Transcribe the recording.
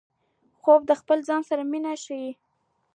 خوب د خپل ځان سره مینه ښيي